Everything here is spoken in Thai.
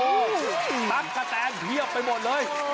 โอ้โหตั๊กกะแตนเพียบไปหมดเลย